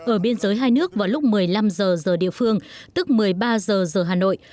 ở biên giới hai nước vào lúc một mươi năm h giờ địa phương tức một mươi ba giờ giờ hà nội